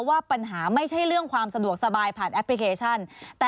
ว่าปัญหาไม่ใช่เรื่องความสะดวกสบายผ่านแอปพลิเคชัน